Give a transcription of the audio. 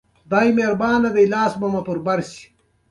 شېخ اسعد سوري د خپل وخت وتلى شاعر وو.